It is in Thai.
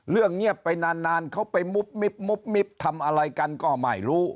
เรื่องเงียบไปนานเขาไปมุบมิบทำอะไรกันก็ไม่รู้